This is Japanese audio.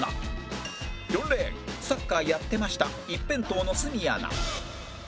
４レーンサッカーやってました一辺倒の鷲見アナ